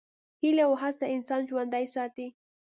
هیله او هڅه انسان ژوندی ساتي.